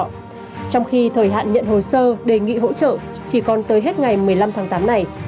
trong khi thời hạn nhận hồ sơ đề nghị hỗ trợ chỉ còn tới hết ngày một mươi năm tháng tám này